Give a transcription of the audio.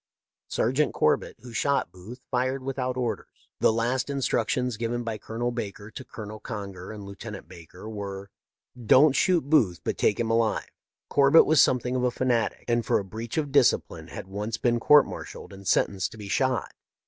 " Sergeant Corbett, who shot Booth, fired with out orders. The last instructions given by Colonel Baker to Colonel Conger and Lieutenant Baker were :' Don't shoot Booth, but take him alive.' Corbett was something of a fanatic, and for a breach of discipline had once been court martialled and sentenced to be shot.